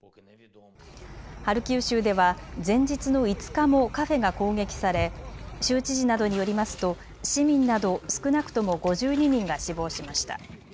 ハルキウ州では前日の５日もカフェが攻撃され州知事などによりますと市民など少なくとも５２人が死亡しました。